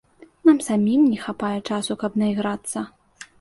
Нам самім не хапае часу, каб найграцца.